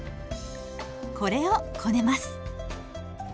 これをこねます。